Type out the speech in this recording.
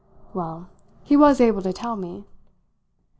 Well, he was able to tell me.